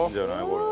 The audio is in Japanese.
これ。